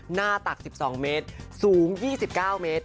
ตัก๑๒เมตรสูง๒๙เมตร